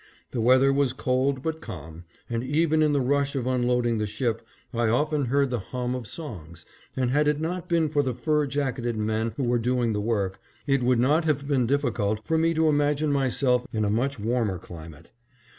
The weather was cold but calm, and even in the rush of unloading the ship I often heard the hum of songs, and had it not been for the fur jacketed men who were doing the work, it would not have been difficult for me to imagine myself in a much warmer climate.